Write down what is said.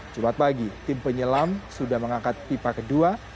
jumat pagi tim penyelam sudah mengangkat pipa kedua